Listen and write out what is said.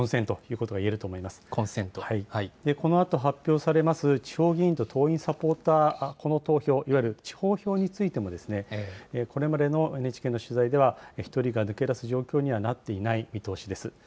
このあと発表されます、地方議員と党員・サポーター、この投票、いわゆる地方票についても、これまでのＮＨＫの取材では、１人が抜け出す状況にはなっていない見通しです。